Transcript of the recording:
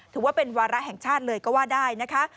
ถือว่าเป็นวาระแห่งชาติเลยก็ว่าได้นะคะ